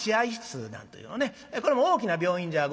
なんというこれも大きな病院じゃございません。